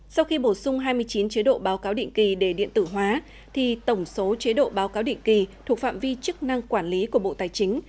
sau khi bổ sung hai mươi chín chế độ báo cáo định kỳ để điện tử hóa thì tổng số chế độ báo cáo định kỳ thuộc phạm vi chức năng quản lý của bộ tài chính